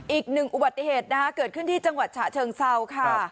อีกหนึ่งอุบัติเหตุนะคะเกิดขึ้นที่จังหวัดฉะเชิงเศร้าค่ะ